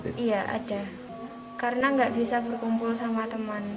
karena nggak bisa berkumpul sama teman